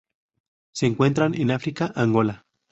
Se encuentran en África: Angola.